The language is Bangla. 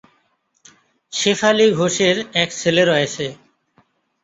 শেফালী ঘোষের এক ছেলে রয়েছে।